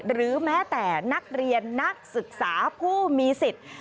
หรือแม้แต่นักเรียนนักศึกษาผู้มีสิทธิ์